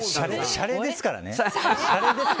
しゃれですからね！